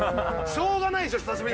しょうがないでしょ、久しぶ